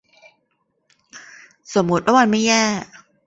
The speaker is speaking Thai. สมมติว่ามันไม่แย่